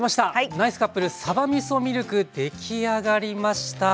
ナイスカップルさばみそミルク出来上がりました。